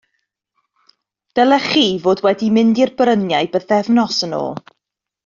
Dylech chi fod wedi mynd i'r bryniau bythefnos yn ôl.